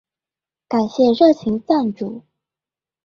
感謝熱情贊助